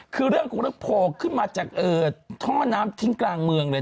คือเรื่องของเรื่องโผล่ขึ้นมาจากท่อน้ำทิ้งกลางเมืองเลย